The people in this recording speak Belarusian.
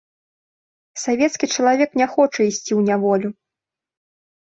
Савецкі чалавек не хоча ісці ў няволю.